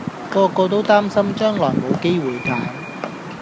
個個都擔心將來冇機會揀